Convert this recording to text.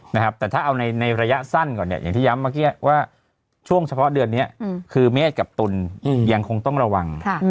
แต่ถ้าเอาในระยะสั้นก่อนเนี่ยอย่างที่ย้ำเมื่อกี้ว่าช่วงเฉพาะเดือนนี้คือเมฆกับตุลยังคงต้องระวัง